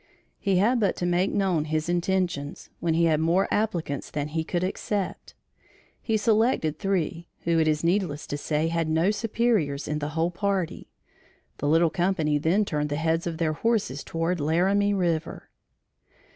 He had but to make known his intentions, when he had more applicants than he could accept. He selected three, who it is needless to say had no superiors in the whole party. The little company then turned the heads of their horses toward Laramie River.